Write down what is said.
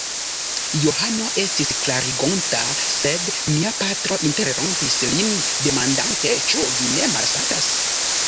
Johano estis klarigonta, sed mia patro interrompis lin demandante: Ĉu vi ne malsatas?